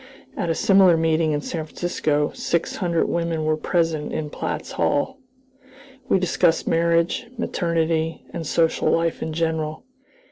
At a similar meeting in San Francisco six hundred women were present in Platt's Hall. We discussed marriage, maternity, and social life in general.